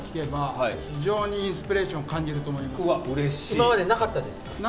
今までなかったですか？